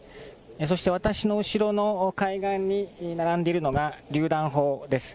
そして私の後ろの海岸に並んでいるのが、りゅう弾砲です。